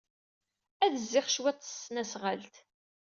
Ad d-zziɣ cwiṭ s tesnasɣalt.